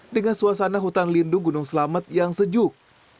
dengan suasana hutan lindung gunung selamet yang sejuk